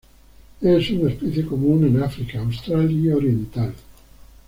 Es una especie común en África austral y oriental.